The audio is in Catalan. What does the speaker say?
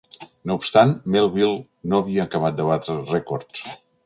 No obstant, Melville no havia acabat de batre rècords.